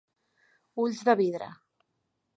Ulls de vidre.